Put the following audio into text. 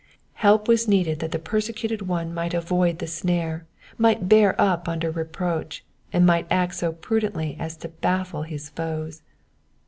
Help was needed that the persecuted one might avoid the snare, might bear up under reproach, and might act so prudently as to baifie his foes.